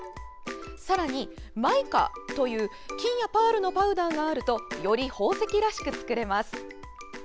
さらに、マイカという金やパールのパウダーがあるとより宝石らしく作れます。